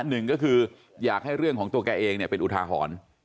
หนึ่งก็คืออยากให้เรื่องของตัวแกเองเป็นอุทาหรณ์